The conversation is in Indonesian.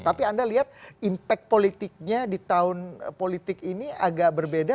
tapi anda lihat impact politiknya di tahun politik ini agak berbeda